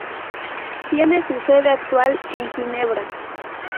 Tiene su sede actual en Ginebra.